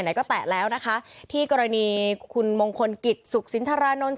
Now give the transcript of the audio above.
ไหนก็แตะแล้วนะคะที่กรณีคุณมงคลกิจสุขสินทรานนท์